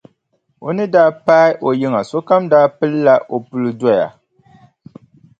O ni daa paai o yiŋa sokam daa pilla o puli doya.